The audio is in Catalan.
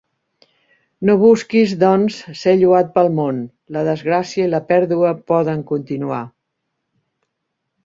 No busquis, doncs, ser lloat pel món: la desgràcia i la pèrdua poden continuar.